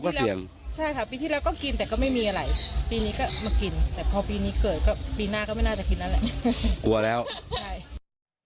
กลัวแล้วใช่